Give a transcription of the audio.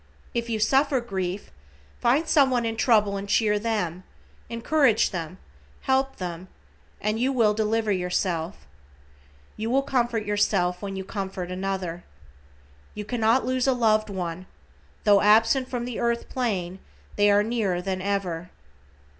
If you suffer grief, find someone in trouble and cheer them, encourage them, help them, and you will deliver yourself. You will comfort yourself when you comfort another. You cannot lose a loved one, tho absent from the earth plane they are nearer than ever.